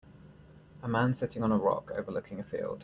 a man sitting on a rock overlooking a field.